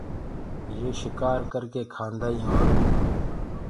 يي شڪآر ڪرڪي کآدآئينٚ اور